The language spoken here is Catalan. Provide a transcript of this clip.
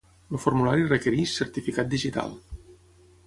El formulari requereix certificat digital.